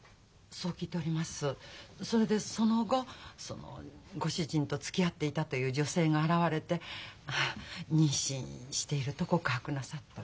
それでその後そのご主人とつきあっていたという女性が現れて「妊娠している」と告白なさった。